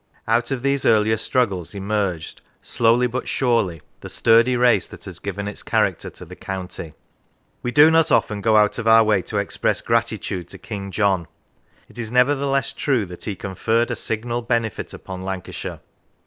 Out of these earlier struggles emerged, slowly but surely, the sturdy race that has given its character to the county. We do not often go out of our way to express gratitude to King John; it is nevertheless true that he conferred a signal benefit upon Lancashire.